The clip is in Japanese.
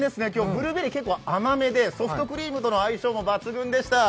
ブルーベリー結構甘めでソフトクリームとの相性も抜群でした。